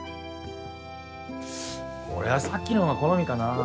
俺はさっきのが好みかなぁ。